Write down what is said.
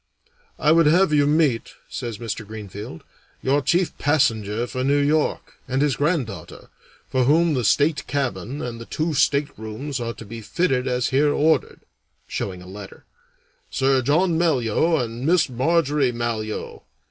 "I would have you meet," says Mr. Greenfield, "your chief passenger for New York, and his granddaughter, for whom the state cabin and the two staterooms are to be fitted as here ordered [showing a letter] Sir John Malyoe and Miss Marjorie Malyoe.